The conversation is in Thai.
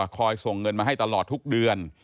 ส่งเงินมาให้ตลอดทุกเดือน